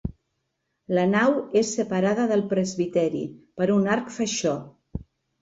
La nau és separada del presbiteri per un arc faixó.